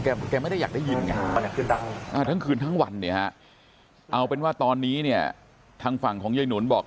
แกไม่ได้อยากได้ยินไงทั้งคืนทั้งวันเนี่ยฮะเอาเป็นว่าตอนนี้เนี่ยทางฝั่งของยายหนุนบอก